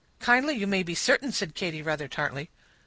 "Kindly, you may be certain," said Katy, rather tartly.